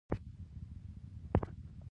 ګنې خپله ډېر غښتلی و.